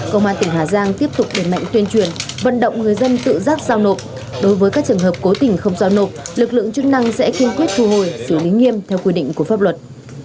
công an tỉnh hà giang tiếp tục đẩy mạnh tuyên truyền vận động người dân tự giác giao nộp đối với các trường hợp cố tình không giao nộp lực lượng chức năng sẽ kiên quyết thu hồi xử lý nghiêm theo quy định của pháp luật